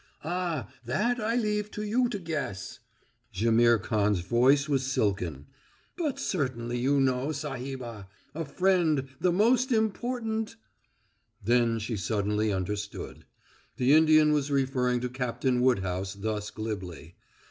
"Ah that I leave to you to guess!" Jaimihr Khan's voice was silken. "But certainly you know, Sahibah. A friend the most important " Then she suddenly understood. The Indian was referring to Captain Woodhouse thus glibly.